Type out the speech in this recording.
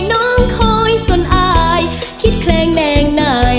น้องคอยส่วนอายคิดแคลงแน่งนาย